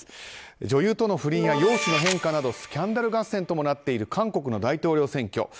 女優との不倫や容姿の変化などスキャンダル合戦ともなっている韓国の大統領選挙。